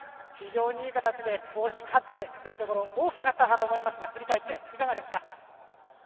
非常にいい形で押し勝ってというところが大きかったかと思いますが振り返ったいかがですか？